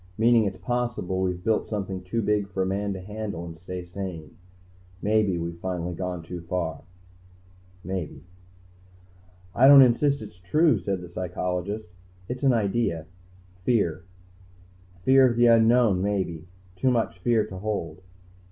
Meaning it's possible we've built something too big for a man to handle and stay sane. Maybe we've finally gone too far." "Maybe." "I don't insist it's true," said the psychologist. "It's an idea. Fear. Fear of the unknown, maybe. Too much fear to hold."